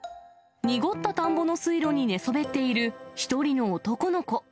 濁った田んぼの水路に寝そべっている１人の男の子。